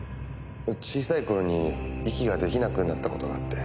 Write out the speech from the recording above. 小さい頃に息が出来なくなった事があって。